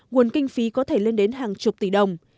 nguồn kinh phí có thể lên đến hàng chục tỷ đồng